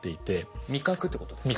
味覚ってことですか？